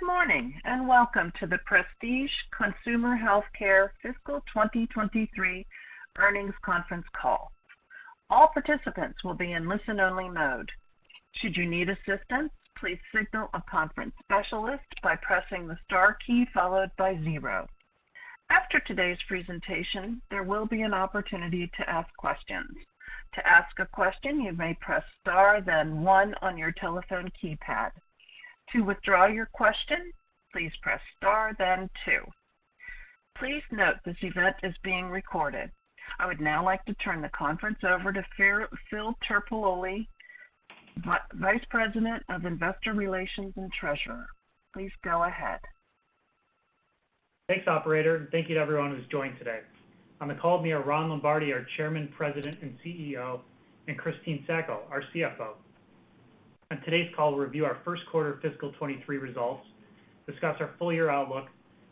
Good morning, and welcome to the Prestige Consumer Healthcare Fiscal 2023 Earnings Conference Call. All participants will be in listen-only mode. Should you need assistance, please signal a conference specialist by pressing the star key followed by zero. After today's presentation, there will be an opportunity to ask questions. To ask a question, you may press star then one on your telephone keypad. To withdraw your question, please press star then two. Please note this event is being recorded. I would now like to turn the conference over to Phil Terpolilli, Vice President of Investor Relations and Treasurer. Please go ahead. Thanks, operator, and thank you to everyone who's joined today. On the call, we have Ron Lombardi, our Chairman, President, and CEO, and Christine Sacco, our CFO. On today's call, we'll review our first quarter fiscal 2023 results, discuss our full-year outlook,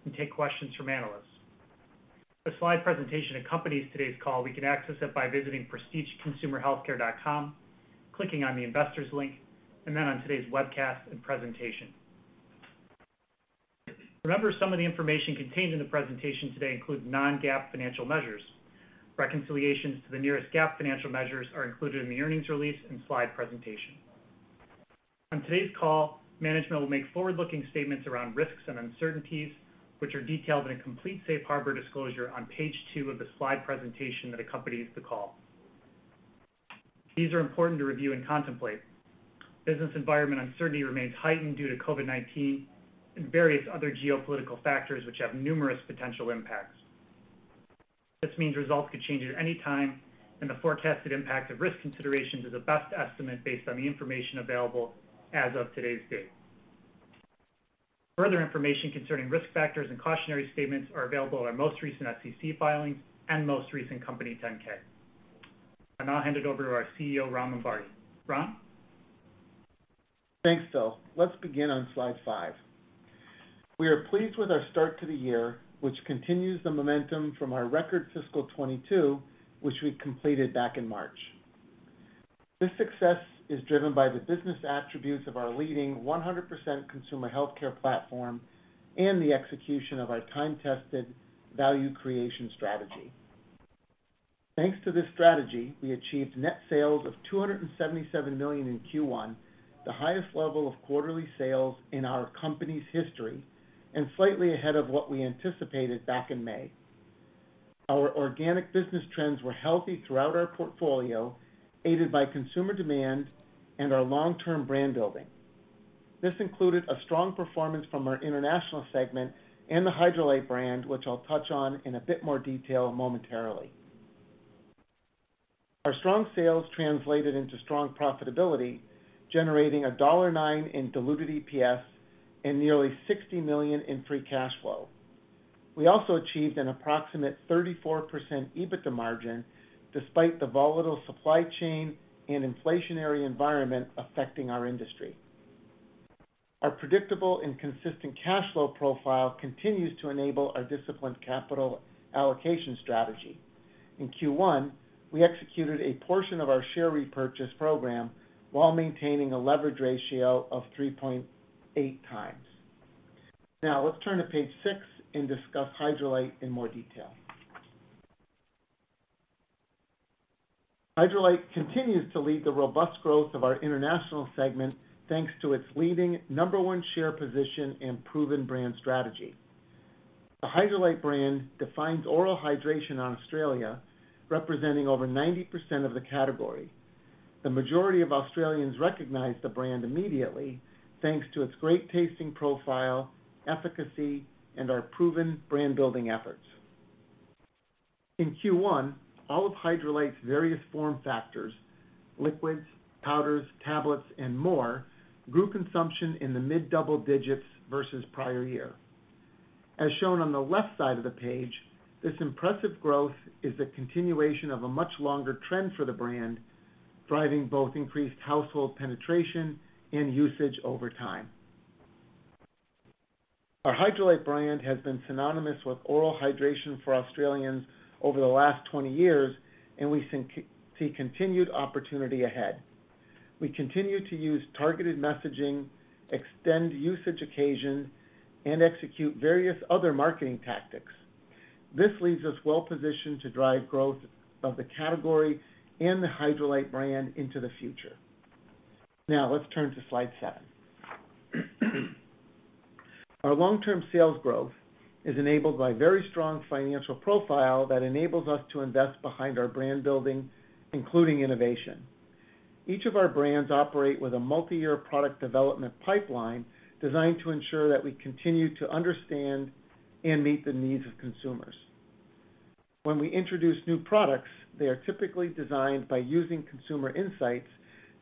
and take questions from analysts. A slide presentation accompanies today's call. We can access it by visiting PrestigeConsumerHealthcare.com, clicking on the Investors link, and then on today's webcast and presentation. Remember, some of the information contained in the presentation today includes non-GAAP financial measures. Reconciliations to the nearest GAAP financial measures are included in the earnings release and slide presentation. On today's call, management will make forward-looking statements around risks and uncertainties, which are detailed in a complete safe harbor disclosure on page two of the slide presentation that accompanies the call. These are important to review and contemplate. Business environment uncertainty remains heightened due to COVID-19 and various other geopolitical factors which have numerous potential impacts. This means results could change at any time, and the forecasted impact of risk considerations is a best estimate based on the information available as of today's date. Further information concerning risk factors and cautionary statements are available on our most recent SEC filings and most recent Company 10-K. I'll now hand it over to our CEO, Ron Lombardi. Ron? Thanks, Phil. Let's begin on slide five. We are pleased with our start to the year, which continues the momentum from our record fiscal 2022, which we completed back in March. This success is driven by the business attributes of our leading 100% consumer healthcare platform and the execution of our time-tested value creation strategy. Thanks to this strategy, we achieved net sales of $277 million in Q1, the highest level of quarterly sales in our company's history and slightly ahead of what we anticipated back in May. Our organic business trends were healthy throughout our portfolio, aided by consumer demand and our long-term brand building. This included a strong performance from our international segment and the Hydralyte brand, which I'll touch on in a bit more detail momentarily. Our strong sales translated into strong profitability, generating $0.09 in diluted EPS and nearly $60 million in free cash flow. We also achieved an approximate 34% EBITDA margin despite the volatile supply chain and inflationary environment affecting our industry. Our predictable and consistent cash flow profile continues to enable our disciplined capital allocation strategy. In Q1, we executed a portion of our share repurchase program while maintaining a leverage ratio of 3.8x. Now, let's turn to page 6 and discuss Hydralyte in more detail. Hydralyte continues to lead the robust growth of our international segment, thanks to its leading number one share position and proven brand strategy. The Hydralyte brand defines oral hydration in Australia, representing over 90% of the category. The majority of Australians recognize the brand immediately, thanks to its great tasting profile, efficacy, and our proven brand-building efforts. In Q1, all of Hydralyte's various form factors, liquids, powders, tablets, and more grew consumption in the mid-double digits versus prior year. As shown on the left side of the page, this impressive growth is a continuation of a much longer trend for the brand, driving both increased household penetration and usage over time. Our Hydralyte brand has been synonymous with oral hydration for Australians over the last 20 years, and we see continued opportunity ahead. We continue to use targeted messaging, extend usage occasions, and execute various other marketing tactics. This leaves us well-positioned to drive growth of the category and the Hydralyte brand into the future. Now, let's turn to slide seven. Our long-term sales growth is enabled by very strong financial profile that enables us to invest behind our brand building, including innovation. Each of our brands operate with a multi-year product development pipeline designed to ensure that we continue to understand and meet the needs of consumers. When we introduce new products, they are typically designed by using consumer insights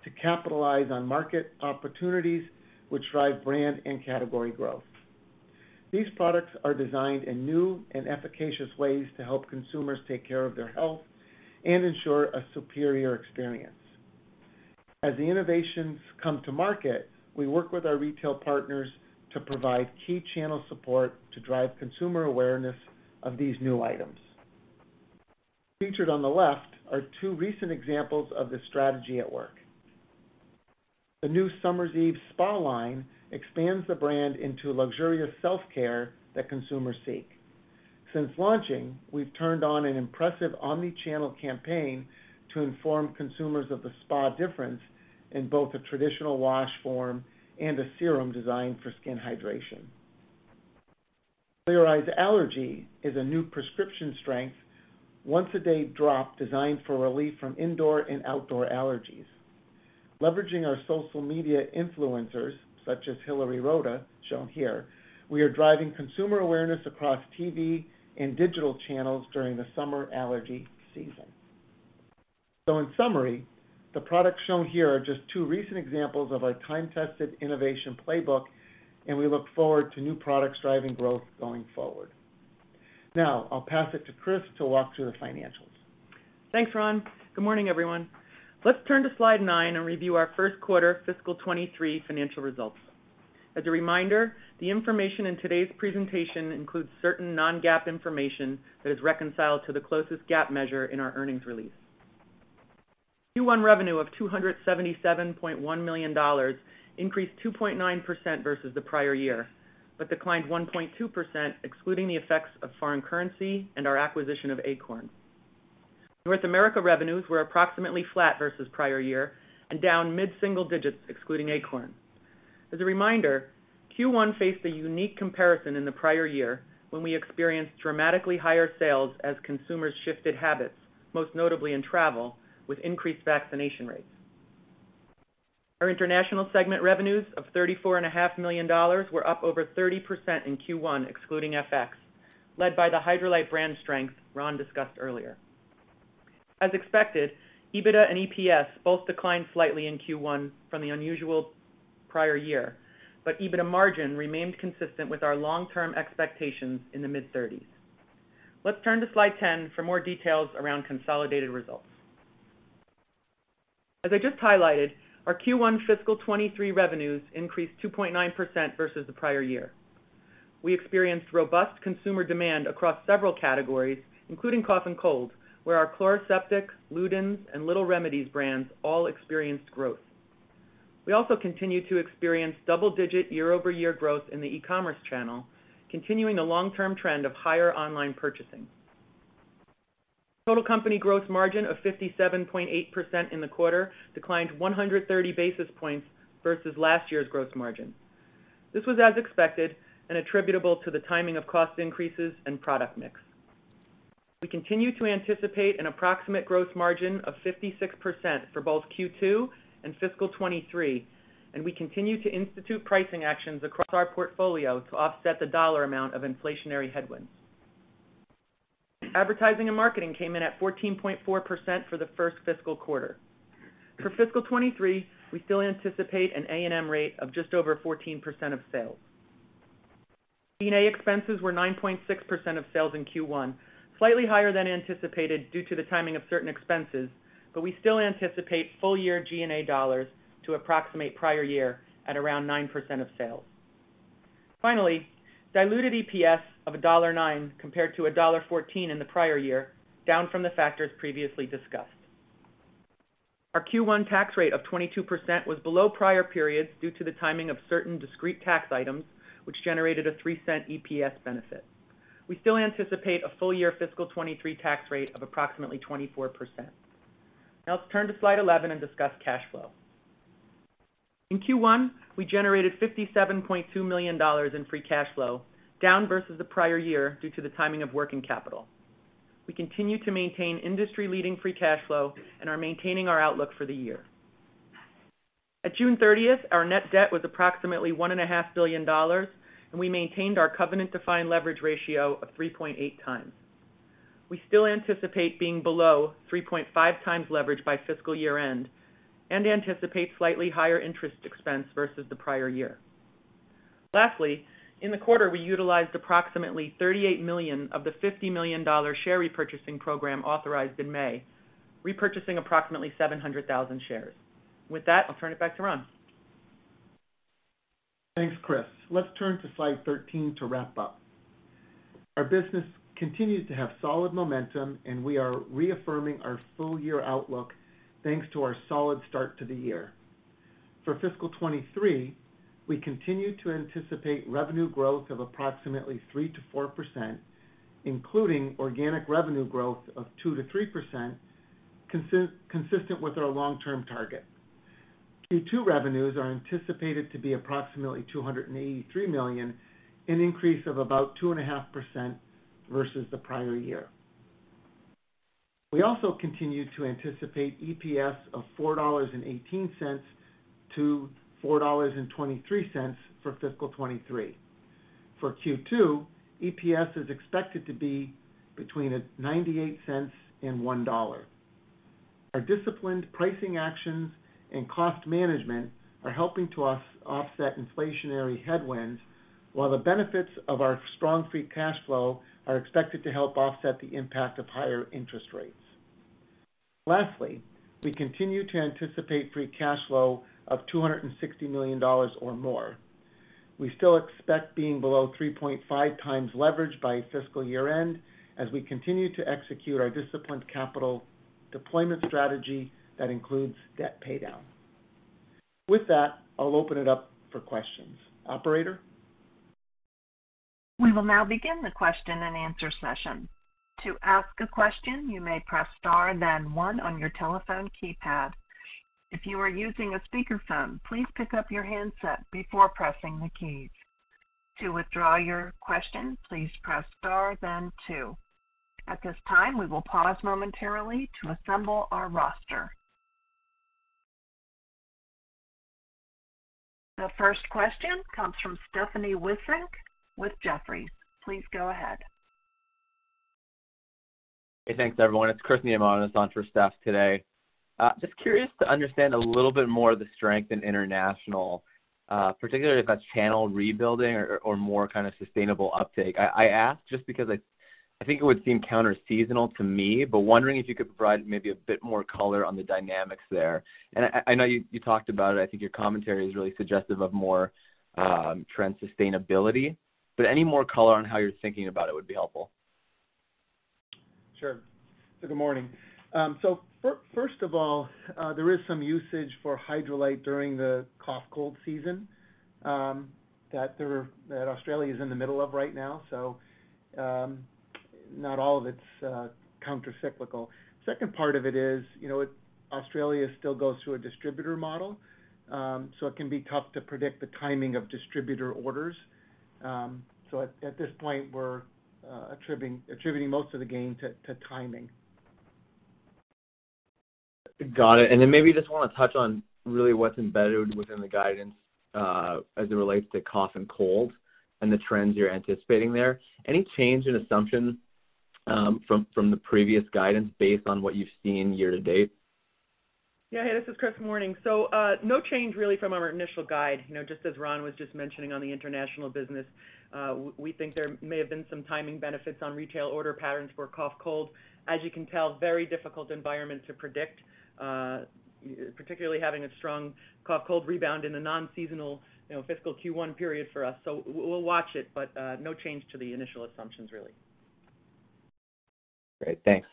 to capitalize on market opportunities which drive brand and category growth. These products are designed in new and efficacious ways to help consumers take care of their health and ensure a superior experience. As the innovations come to market, we work with our retail partners to provide key channel support to drive consumer awareness of these new items. Featured on the left are two recent examples of this strategy at work. The new Summer's Eve Spa line expands the brand into luxurious self-care that consumers seek. Since launching, we've turned on an impressive omni-channel campaign to inform consumers of the spa difference in both a traditional wash form and a serum designed for skin hydration. Clear Eyes Allergy is a new prescription strength, once a day drop designed for relief from indoor and outdoor allergies. Leveraging our social media influencers, such as Hilary Rhoda, shown here, we are driving consumer awareness across TV and digital channels during the summer allergy season. In summary, the products shown here are just two recent examples of our time-tested innovation playbook, and we look forward to new products driving growth going forward. Now, I'll pass it to Chris to walk through the financials. Thanks, Ron. Good morning, everyone. Let's turn to slide nine and review our first quarter fiscal 2023 financial results. As a reminder, the information in today's presentation includes certain non-GAAP information that is reconciled to the closest GAAP measure in our earnings release. Q1 revenue of $277.1 million increased 2.9% versus the prior year, but declined 1.2%, excluding the effects of foreign currency and our acquisition of Akorn. North America revenues were approximately flat versus prior year and down mid-single digits excluding Akorn. As a reminder, Q1 faced a unique comparison in the prior year when we experienced dramatically higher sales as consumers shifted habits, most notably in travel, with increased vaccination rates. Our international segment revenues of $34 and a half million were up over 30% in Q1, excluding FX, led by the Hydralyte brand strength Ron discussed earlier. As expected, EBITDA and EPS both declined slightly in Q1 from the unusual prior year, but EBITDA margin remained consistent with our long-term expectations in the mid-30s. Let's turn to slide 10 for more details around consolidated results. As I just highlighted, our Q1 fiscal 2023 revenues increased 2.9% versus the prior year. We experienced robust consumer demand across several categories, including cough and cold, where our Chloraseptic, Luden's, and Little Remedies brands all experienced growth. We also continued to experience double-digit year-over-year growth in the e-commerce channel, continuing a long-term trend of higher online purchasing. Total company gross margin of 57.8% in the quarter declined 130 basis points versus last year's gross margin. This was as expected and attributable to the timing of cost increases and product mix. We continue to anticipate an approximate gross margin of 56% for both Q2 and fiscal 2023, and we continue to institute pricing actions across our portfolio to offset the dollar amount of inflationary headwinds. Advertising and marketing came in at 14.4% for the first fiscal quarter. For fiscal 2023, we still anticipate an A&M rate of just over 14% of sales. G&A expenses were 9.6% of sales in Q1, slightly higher than anticipated due to the timing of certain expenses, but we still anticipate full-year G&A dollars to approximate prior year at around 9% of sales. Finally, diluted EPS of $1.09 compared to $1.14 in the prior year, down from the factors previously discussed. Our Q1 tax rate of 22% was below prior periods due to the timing of certain discrete tax items, which generated a $0.03 EPS benefit. We still anticipate a full-year fiscal 2023 tax rate of approximately 24%. Now, let's turn to slide 11 and discuss cash flow. In Q1, we generated $57.2 million in free cash flow, down versus the prior year due to the timing of working capital. We continue to maintain industry-leading free cash flow and are maintaining our outlook for the year. At June 30, our net debt was approximately $1.5 billion, and we maintained our covenant-defined leverage ratio of 3.8x. We still anticipate being below 3.5 times leverage by fiscal year-end and anticipate slightly higher interest expense versus the prior year. Lastly, in the quarter, we utilized approximately $38 million of the $50 million share repurchasing program authorized in May, repurchasing approximately 700,000 shares. With that, I'll turn it back to Ron. Thanks, Chris. Let's turn to slide 13 to wrap up. Our business continues to have solid momentum, and we are reaffirming our full-year outlook, thanks to our solid start to the year. For fiscal 2023, we continue to anticipate revenue growth of approximately 3%-4%, including organic revenue growth of 2%-3%, consistent with our long-term target. Q2 revenues are anticipated to be approximately $283 million, an increase of about 2.5% versus the prior year. We also continue to anticipate EPS of $4.18-$4.23 for fiscal 2023. For Q2, EPS is expected to be between $0.98 and $1. Our disciplined pricing actions and cost management are helping to offset inflationary headwinds, while the benefits of our strong free cash flow are expected to help offset the impact of higher interest rates. Lastly, we continue to anticipate free cash flow of $260 million or more. We still expect being below 3.5 times leverage by fiscal year-end as we continue to execute our disciplined capital deployment strategy that includes debt paydown. With that, I'll open it up for questions. Operator? We will now begin the question-and-answer session. To ask a question, you may press star then one on your telephone keypad. If you are using a speakerphone, please pick up your handset before pressing the keys. To withdraw your question, please press star then two. At this time, we will pause momentarily to assemble our roster. The first question comes from Stephanie Wissink with Jefferies. Please go ahead. Hey, thanks, everyone. It's Chris Neimon on for Steph today. Just curious to understand a little bit more of the strength in international, particularly if that's channel rebuilding or more kind of sustainable uptake. I ask just because I think it would seem counterseasonal to me, but wondering if you could provide maybe a bit more color on the dynamics there. I know you talked about it. I think your commentary is really suggestive of more trend sustainability, but any more color on how you're thinking about it would be helpful. Sure. Good morning. First of all, there is some usage for Hydralyte during the cough-cold season that Australia is in the middle of right now. Not all of it's countercyclical. Second part of it is, you know, Australia still goes through a distributor model, so it can be tough to predict the timing of distributor orders. At this point we're attributing most of the gain to timing. Got it. Maybe just wanna touch on really what's embedded within the guidance, as it relates to cough and cold and the trends you're anticipating there. Any change in assumptions, from the previous guidance based on what you've seen year-to-date? Yeah. Hey, this is Chris. Morning. No change really from our initial guide. You know, just as Ron was just mentioning on the international business, we think there may have been some timing benefits on retail order patterns for cough cold. As you can tell, very difficult environment to predict, particularly having a strong cough cold rebound in a non-seasonal, you know, fiscal Q1 period for us. We'll watch it, but no change to the initial assumptions really. Great. Thanks.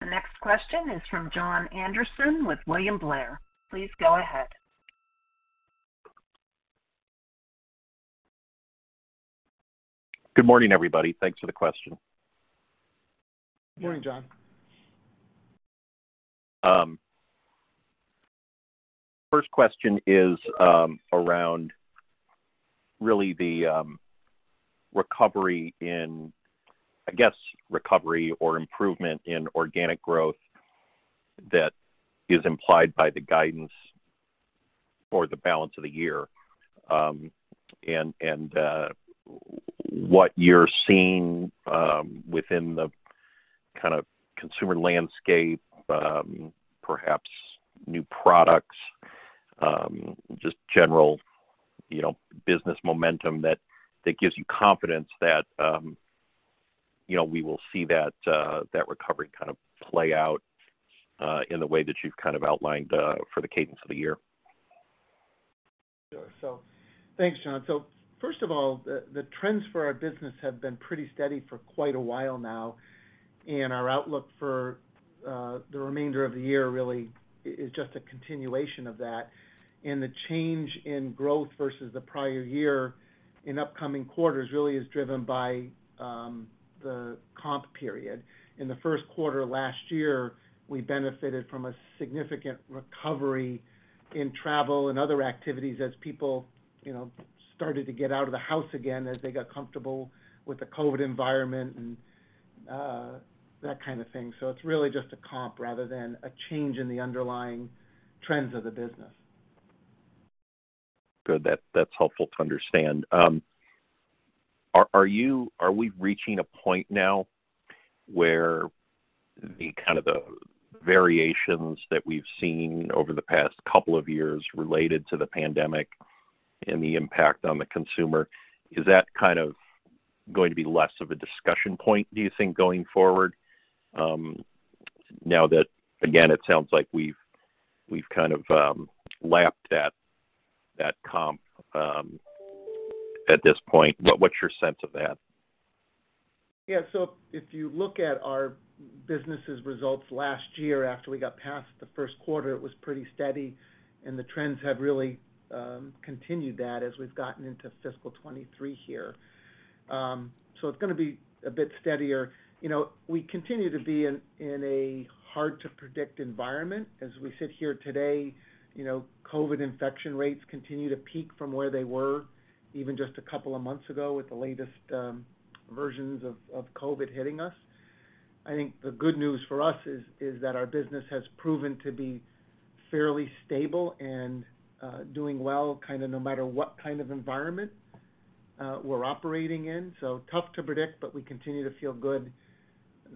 The next question is from Jon Andersen with William Blair. Please go ahead. Good morning, everybody. Thanks for the question. Good morning, Jon. First question is around really the, I guess, recovery or improvement in organic growth that is implied by the guidance for the balance of the year, and what you're seeing within the kind of consumer landscape, perhaps new products, just general, you know, business momentum that gives you confidence that you know we will see that recovery kind of play out in the way that you've kind of outlined for the cadence of the year. Sure. Thanks, John. First of all, the trends for our business have been pretty steady for quite a while now, and our outlook for the remainder of the year really is just a continuation of that. The change in growth versus the prior year in upcoming quarters really is driven by the comp period. In the first quarter last year, we benefited from a significant recovery in travel and other activities as people, you know, started to get out of the house again as they got comfortable with the COVID environment and that kind of thing. It's really just a comp rather than a change in the underlying trends of the business. Good. That's helpful to understand. Are we reaching a point now where the kind of variations that we've seen over the past couple of years related to the pandemic and the impact on the consumer is that kind of going to be less of a discussion point, do you think, going forward? Now that again, it sounds like we've kind of lapped at that comp at this point. What's your sense of that? Yeah. If you look at our business' results last year after we got past the first quarter, it was pretty steady, and the trends have really continued that as we've gotten into fiscal 2023 here. It's gonna be a bit steadier. You know, we continue to be in a hard-to-predict environment. As we sit here today, you know, COVID infection rates continue to peak from where they were even just a couple of months ago with the latest versions of COVID hitting us. I think the good news for us is that our business has proven to be fairly stable and doing well kind of no matter what kind of environment we're operating in. Tough to predict, but we continue to feel good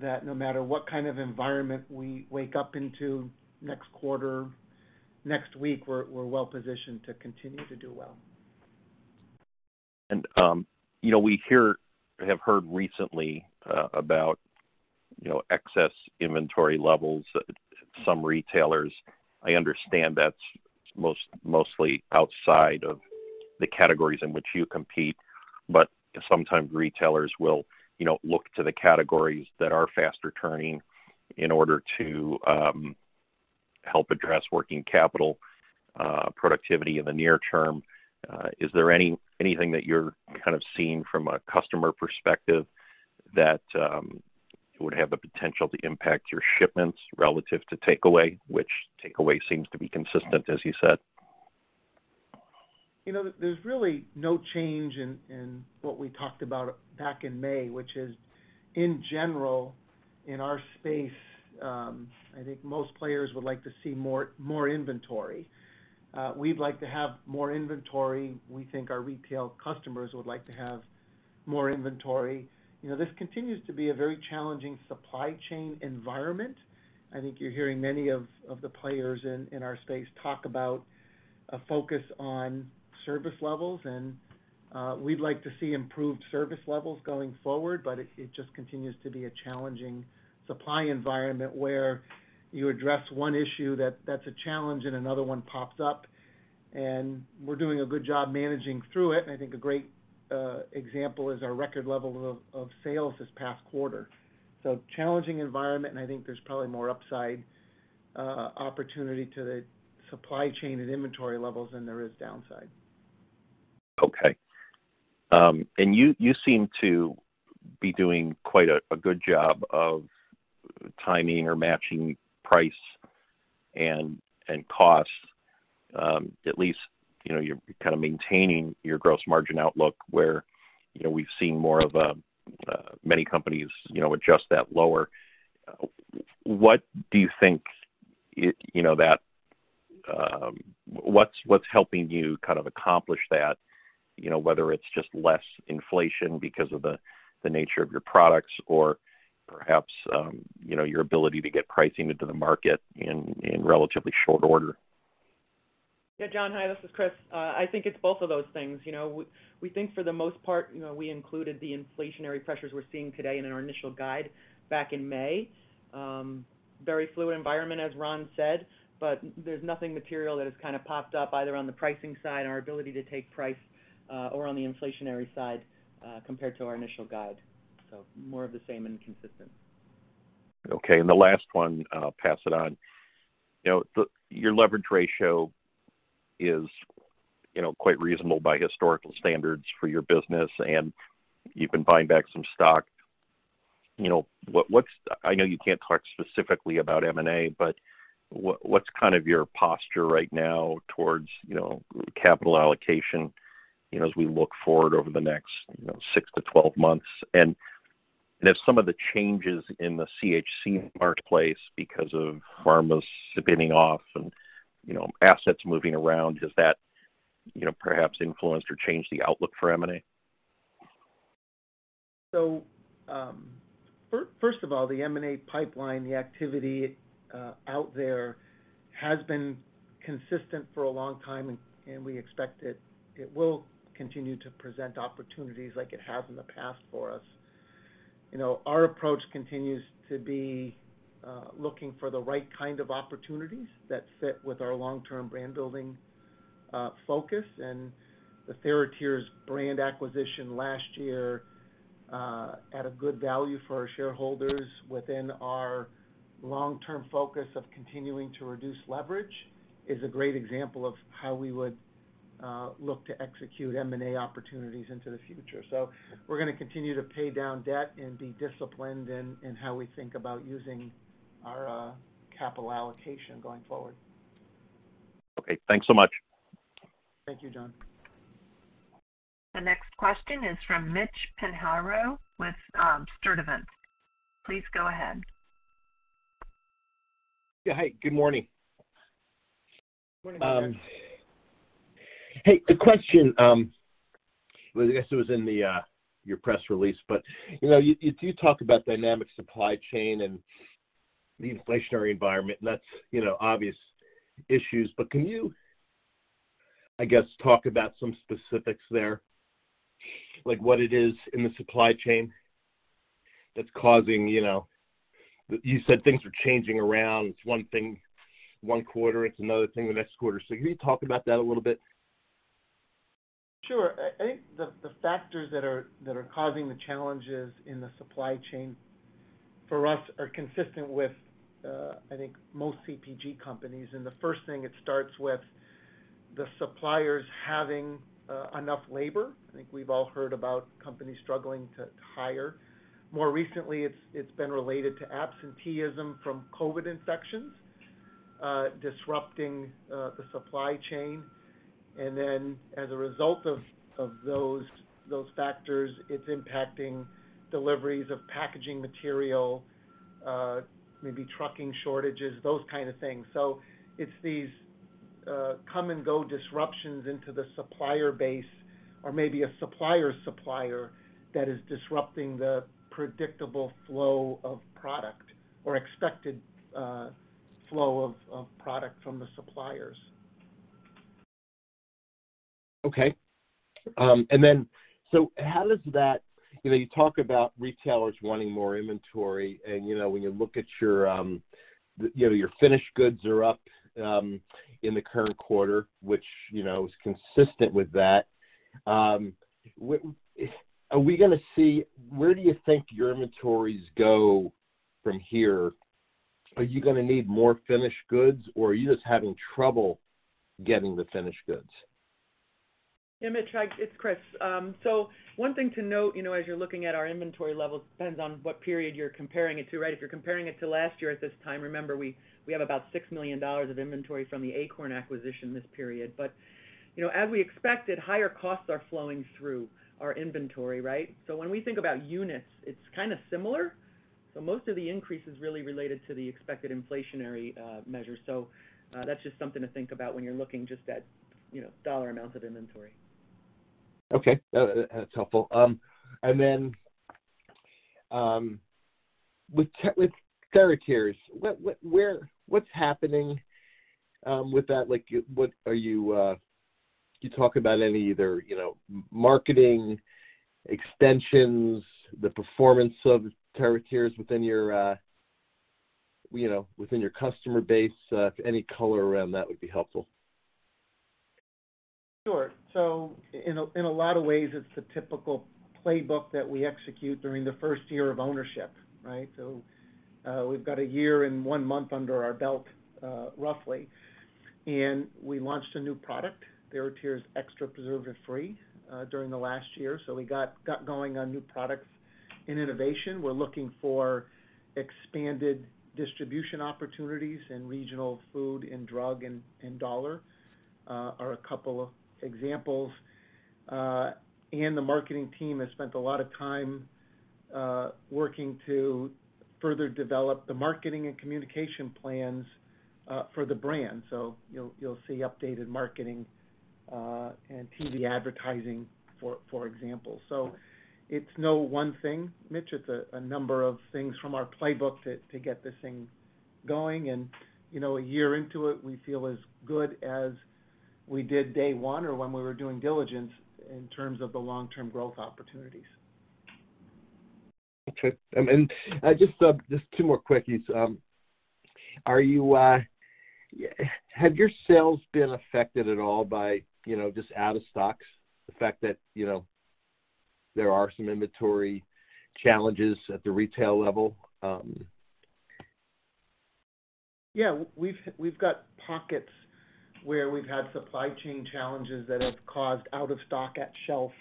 that no matter what kind of environment we wake up into next quarter, next week, we're well positioned to continue to do well. You know, we have heard recently about excess inventory levels at some retailers. I understand that's mostly outside of the categories in which you compete, but sometimes retailers will look to the categories that are faster turning in order to help address working capital productivity in the near term. Is there anything that you're kind of seeing from a customer perspective that would have the potential to impact your shipments relative to takeaway, which takeaway seems to be consistent, as you said? You know, there's really no change in what we talked about back in May, which is, in general, in our space, I think most players would like to see more inventory. We'd like to have more inventory. We think our retail customers would like to have more inventory. You know, this continues to be a very challenging supply chain environment. I think you're hearing many of the players in our space talk about a focus on service levels, and we'd like to see improved service levels going forward. It just continues to be a challenging supply environment where you address one issue that's a challenge and another one pops up, and we're doing a good job managing through it. I think a great example is our record level of sales this past quarter. Challenging environment, and I think there's probably more upside, opportunity to the supply chain and inventory levels than there is downside. Okay. You seem to be doing quite a good job of timing or matching price and cost, at least, you know, you're kind of maintaining your gross margin outlook where, you know, we've seen more of a many companies, you know, adjust that lower. What do you think, you know, that what's helping you kind of accomplish that? You know, whether it's just less inflation because of the nature of your products or perhaps, you know, your ability to get pricing into the market in relatively short order. Yeah. Jon, hi, this is Chris. I think it's both of those things. You know, we think for the most part, you know, we included the inflationary pressures we're seeing today in our initial guide back in May. Very fluid environment, as Ron said, but there's nothing material that has kind of popped up either on the pricing side and our ability to take price, or on the inflationary side, compared to our initial guide. More of the same and consistent. Okay. The last one, I'll pass it on. You know, your leverage ratio is, you know, quite reasonable by historical standards for your business, and you've been buying back some stock. You know, what's kind of your posture right now towards, you know, capital allocation, you know, as we look forward over the next, you know, six to twelve months? As some of the changes in the CHC marketplace because of pharma spinning off and, you know, assets moving around, has that, you know, perhaps influenced or changed the outlook for M&A? First of all, the M&A pipeline, the activity out there has been consistent for a long time, and we expect it will continue to present opportunities like it has in the past for us. You know, our approach continues to be looking for the right kind of opportunities that fit with our long-term brand building focus. The TheraTears brand acquisition last year at a good value for our shareholders within our long-term focus of continuing to reduce leverage is a great example of how we would look to execute M&A opportunities into the future. We're gonna continue to pay down debt and be disciplined in how we think about using our capital allocation going forward. Okay, thanks so much. Thank you, Jon. The next question is from Mitchell Pinheiro with Stifel. Please go ahead. Yeah. Hi, good morning. Good morning, Mitch. Hey, the question, well, I guess it was in your press release, but you know, you do talk about dynamic supply chain and the inflationary environment, and that's you know, obvious issues. But can you, I guess, talk about some specifics there, like what it is in the supply chain that's causing you know. You said things are changing around. It's one thing one quarter, it's another thing the next quarter. So can you talk about that a little bit? Sure. I think the factors that are causing the challenges in the supply chain for us are consistent with I think most CPG companies. The first thing, it starts with the suppliers having enough labor. I think we've all heard about companies struggling to hire. More recently, it's been related to absenteeism from COVID infections disrupting the supply chain. As a result of those factors, it's impacting deliveries of packaging material, maybe trucking shortages, those kind of things. It's these come and go disruptions into the supplier base or maybe a supplier's supplier that is disrupting the predictable flow of product or expected flow of product from the suppliers. Okay. How does that, you know, you talk about retailers wanting more inventory and, you know, when you look at your, you know, your finished goods are up in the current quarter, which, you know, is consistent with that. Where do you think your inventories go from here? Are you gonna need more finished goods, or are you just having trouble getting the finished goods? Yeah, Mitch, It's Chris. One thing to note, you know, as you're looking at our inventory levels, depends on what period you're comparing it to, right? If you're comparing it to last year at this time, remember, we have about $6 million of inventory from the Akorn acquisition this period. You know, as we expected, higher costs are flowing through our inventory, right? When we think about units, it's kinda similar. Most of the increase is really related to the expected inflationary measure. That's just something to think about when you're looking just at, you know, dollar amounts of inventory. Okay. That's helpful. With TheraTears, what's happening with that? Like, can you talk about any either, you know, marketing extensions, the performance of TheraTears within your customer base? Any color around that would be helpful. Sure. In a lot of ways, it's the typical playbook that we execute during the first year of ownership, right? We've got a year and 1 month under our belt, roughly. We launched a new product, TheraTears EXTRA Preservative Free, during the last year. We got going on new products in innovation. We're looking for expanded distribution opportunities in regional food and drug and dollar are a couple of examples. The marketing team has spent a lot of time working to further develop the marketing and communication plans for the brand. You'll see updated marketing and TV advertising, for example. It's no one thing, Mitch. It's a number of things from our playbook to get this thing going. You know, a year into it, we feel as good as we did day one or when we were doing diligence in terms of the long-term growth opportunities. Okay. Just two more quickies. Have your sales been affected at all by, you know, just out of stocks, the fact that, you know, there are some inventory challenges at the retail level? Yeah, we've got pockets where we've had supply chain challenges that have caused out of stock at shelf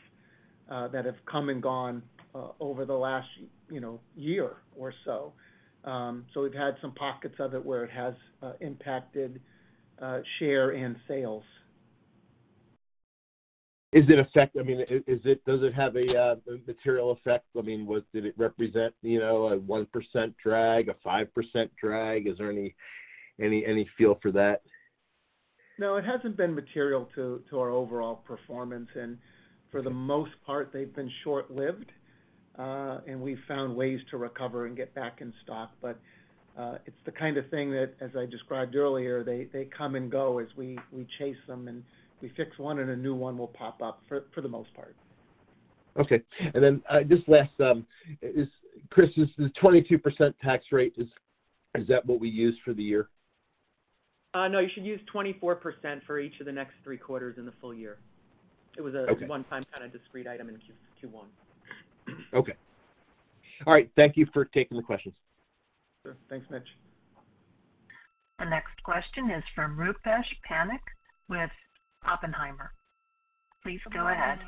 that have come and gone over the last, you know, year or so. We've had some pockets of it where it has impacted share and sales. Is it, I mean, is it, does it have a material effect? I mean, did it represent, you know, a 1% drag, a 5% drag? Is there any feel for that? No, it hasn't been material to our overall performance, and for the most part, they've been short-lived, and we've found ways to recover and get back in stock. It's the kind of thing that, as I described earlier, they come and go as we chase them, and we fix one and a new one will pop up for the most part. Okay. Just last, Chris, is the 22% tax rate, is that what we use for the year? No, you should use 24% for each of the next three quarters in the full year. Okay. It was a one-time kinda discrete item in Q1. Okay. All right. Thank you for taking the questions. Sure. Thanks, Mitch. Our next question is from Rupesh Parikh with Oppenheimer. Please go ahead.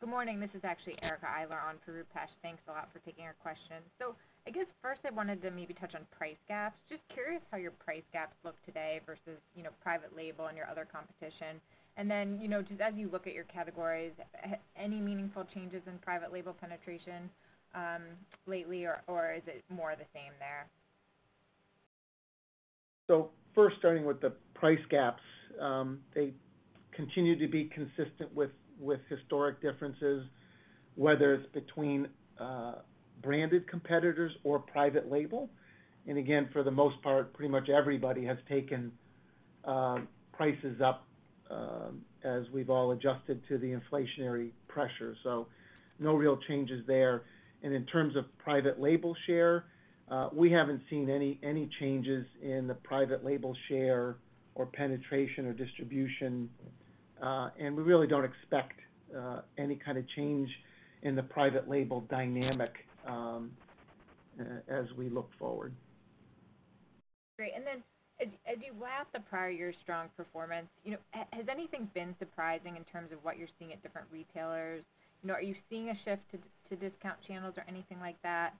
Good morning. This is actually Erica Eiler on for Rupesh. Thanks a lot for taking our question. I guess first I wanted to maybe touch on price gaps. Just curious how your price gaps look today versus, you know, private label and your other competition. You know, just as you look at your categories, any meaningful changes in private label penetration, lately or is it more the same there? First starting with the price gaps, they continue to be consistent with historic differences, whether it's between branded competitors or private label. Again, for the most part, pretty much everybody has taken prices up as we've all adjusted to the inflationary pressure. No real changes there. In terms of private label share, we haven't seen any changes in the private label share or penetration or distribution. We really don't expect any kind of change in the private label dynamic as we look forward. Great. As you lap the prior year's strong performance, you know, has anything been surprising in terms of what you're seeing at different retailers? You know, are you seeing a shift to discount channels or anything like that?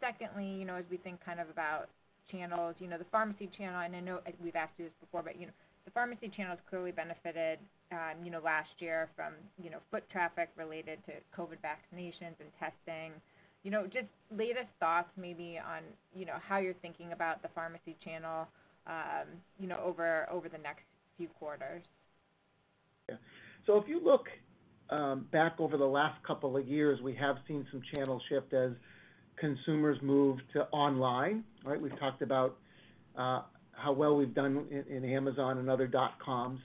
Secondly, you know, as we think kind of about channels, you know, the pharmacy channel, and I know, and we've asked you this before, but, you know, the pharmacy channel has clearly benefited, you know, last year from, you know, foot traffic related to COVID vaccinations and testing. You know, just latest thoughts maybe on, you know, how you're thinking about the pharmacy channel, you know, over the next few quarters. Yeah. If you look back over the last couple of years, we have seen some channel shift as consumers move to online, right? We've talked about how well we've done in Amazon and other dotcoms,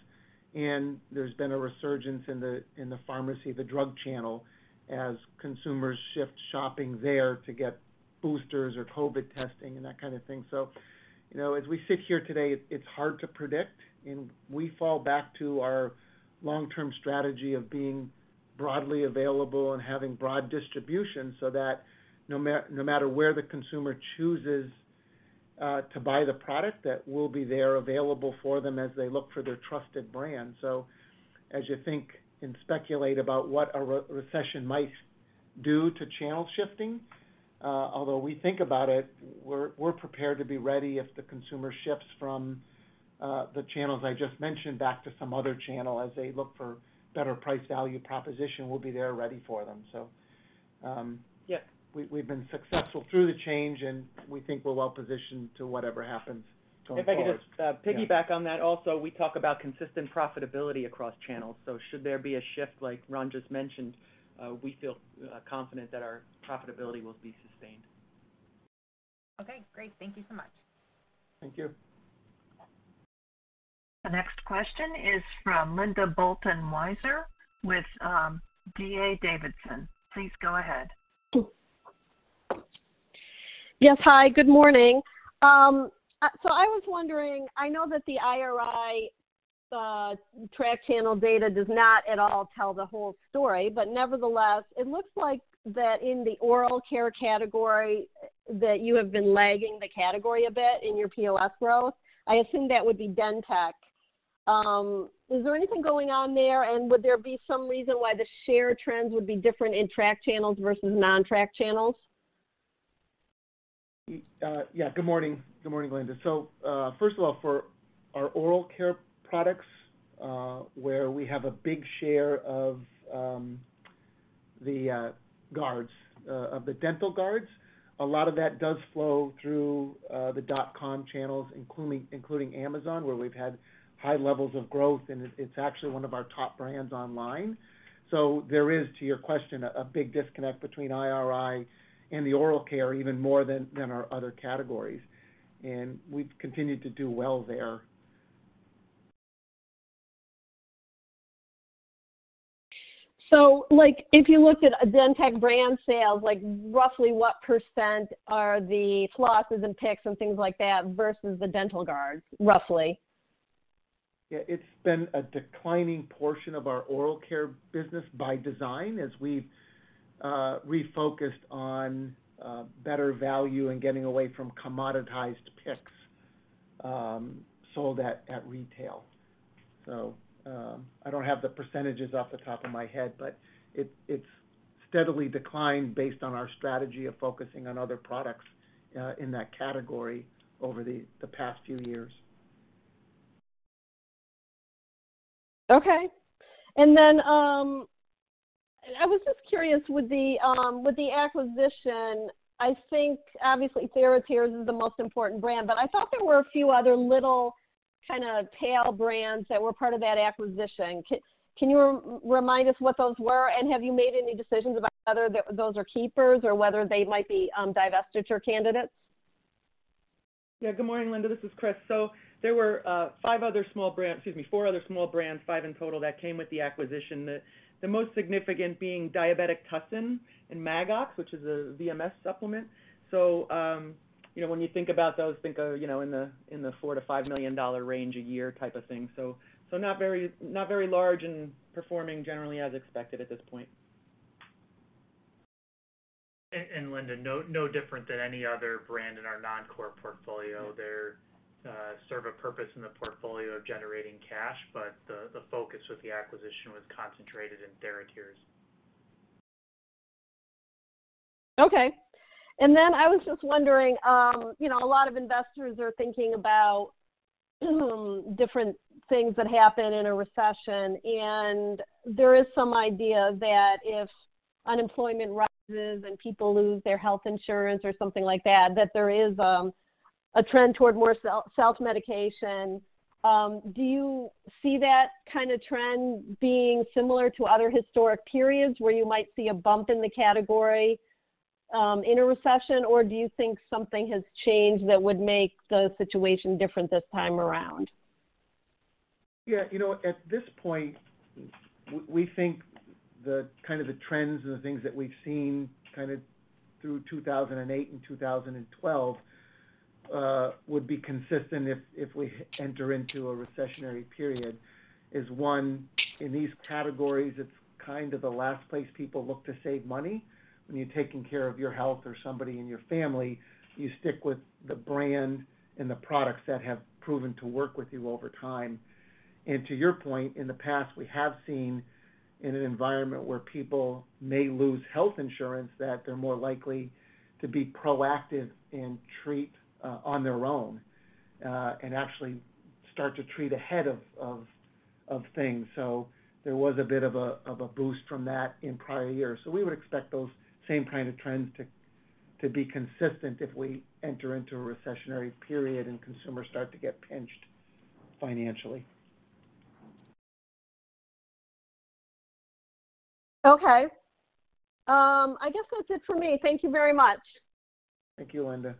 and there's been a resurgence in the pharmacy, the drug channel, as consumers shift shopping there to get boosters or COVID testing and that kind of thing. You know, as we sit here today, it's hard to predict, and we fall back to our long-term strategy of being broadly available and having broad distribution so that no matter where the consumer chooses to buy the product, that we'll be there available for them as they look for their trusted brand. As you think and speculate about what a recession might do to channel shifting, although we think about it, we're prepared to be ready if the consumer shifts from the channels I just mentioned back to some other channel. As they look for better price value proposition, we'll be there ready for them. Yeah, we've been successful through the change, and we think we're well positioned to whatever happens going forward. If I could just piggyback on that also, we talk about consistent profitability across channels. Should there be a shift like Ron just mentioned, we feel confident that our profitability will be sustained. Okay, great. Thank you so much. Thank you. The next question is from Linda Bolton Weiser with D.A. Davidson. Please go ahead. Yes. Hi, good morning. I was wondering, I know that the IRI tracked channel data does not at all tell the whole story, but nevertheless, it looks like that in the oral care category that you have been lagging the category a bit in your POS growth. I assume that would be DenTek. Is there anything going on there, and would there be some reason why the share trends would be different in tracked channels versus non-tracked channels? Good morning. Good morning, Linda. First of all, for our oral care products, where we have a big share of the guards of the dental guards, a lot of that does flow through the dotcom channels, including Amazon, where we've had high levels of growth, and it's actually one of our top brands online. There is, to your question, a big disconnect between IRI and the oral care even more than our other categories, and we've continued to do well there. like, if you looked at DenTek brand sales, like roughly what % are the flosses and picks and things like that versus the dental guards, roughly? Yeah. It's been a declining portion of our oral care business by design as we've refocused on better value and getting away from commoditized picks sold at retail. I don't have the percentages off the top of my head, but it's steadily declined based on our strategy of focusing on other products in that category over the past few years. Okay. I was just curious with the acquisition. I think obviously TheraTears is the most important brand, but I thought there were a few other little kinda tail brands that were part of that acquisition. Can you remind us what those were, and have you made any decisions about whether those are keepers or whether they might be divestiture candidates? Yeah. Good morning, Linda. This is Chris. There were four other small brands, five in total, that came with the acquisition, the most significant being Diabetic Tussin and Mag-Ox, which is a VMS supplement. You know, when you think about those, think of in the $4 million-$5 million range a year type of thing. Not very large and performing generally as expected at this point. Linda, no different than any other brand in our non-core portfolio. They serve a purpose in the portfolio of generating cash, but the focus of the acquisition was concentrated in TheraTears. Okay. I was just wondering, you know, a lot of investors are thinking about different things that happen in a recession, and there is some idea that if unemployment rises and people lose their health insurance or something like that there is a trend toward more self-medication. Do you see that kinda trend being similar to other historic periods where you might see a bump in the category in a recession, or do you think something has changed that would make the situation different this time around? Yeah. You know what? At this point, we think the kind of the trends and the things that we've seen kind of through 2008 and 2012 would be consistent if we enter into a recessionary period. One, in these categories, it's kind of the last place people look to save money. When you're taking care of your health or somebody in your family, you stick with the brand and the products that have proven to work with you over time. To your point, in the past, we have seen in an environment where people may lose health insurance, that they're more likely to be proactive and treat on their own and actually start to treat ahead of things. There was a bit of a boost from that in prior years. We would expect those same kind of trends to be consistent if we enter into a recessionary period and consumers start to get pinched financially. Okay. I guess that's it for me. Thank you very much. Thank you, Linda.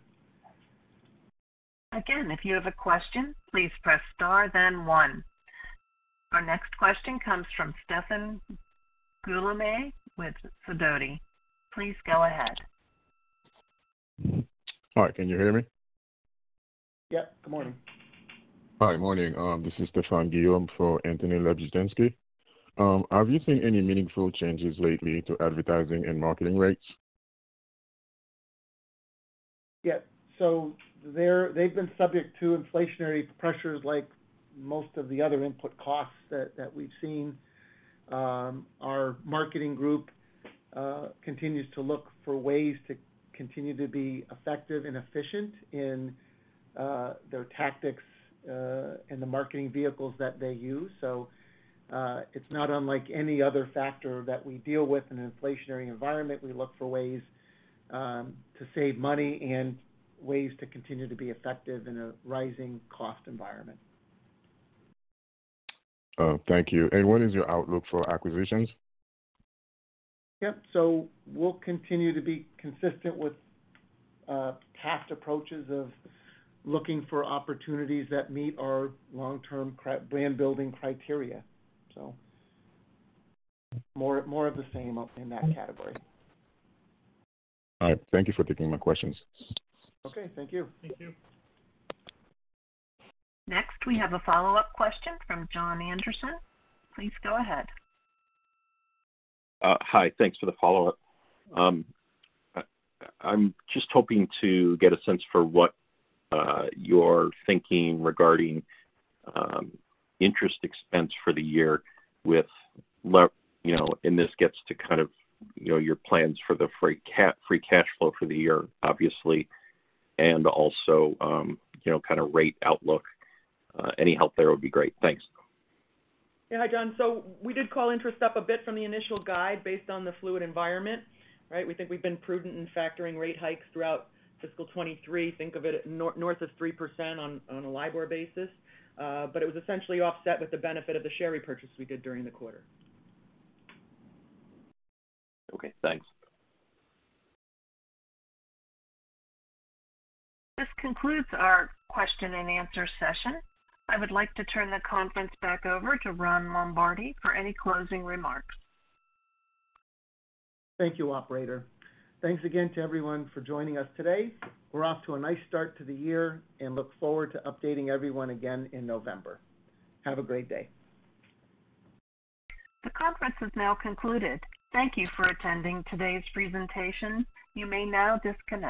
Again, if you have a question, please press Star then One. Our next question comes from Stephan Guillaume with Sidoti. Please go ahead. Hi. Can you hear me? Yep. Good morning. Hi. Morning. This is Stephan Guillaume for Anthony Lebiedzinski. Have you seen any meaningful changes lately to advertising and marketing rates? Yeah. They've been subject to inflationary pressures like most of the other input costs that we've seen. Our marketing group continues to look for ways to continue to be effective and efficient in their tactics and the marketing vehicles that they use. It's not unlike any other factor that we deal with in an inflationary environment. We look for ways to save money and ways to continue to be effective in a rising cost environment. Oh, thank you. What is your outlook for acquisitions? Yep. We'll continue to be consistent with past approaches of looking for opportunities that meet our long-term brand building criteria. More of the same in that category. All right. Thank you for taking my questions. Okay. Thank you. Thank you. Next, we have a follow-up question from Jon Andersen. Please go ahead. Hi. Thanks for the follow-up. I'm just hoping to get a sense for what you're thinking regarding interest expense for the year, you know, and this gets to kind of, you know, your plans for the free cash flow for the year, obviously, and also, you know, kind of rate outlook. Any help there would be great. Thanks. Yeah. Hi, John. We did call interest up a bit from the initial guide based on the fluid environment, right? We think we've been prudent in factoring rate hikes throughout fiscal 2023. Think of it at north of 3% on a LIBOR basis. It was essentially offset with the benefit of the share repurchase we did during the quarter. Okay, thanks. This concludes our question-and-answer session. I would like to turn the conference back over to Ron Lombardi for any closing remarks. Thank you, operator. Thanks again to everyone for joining us today. We're off to a nice start to the year, and look forward to updating everyone again in November. Have a great day. The conference has now concluded. Thank you for attending today's presentation. You may now disconnect.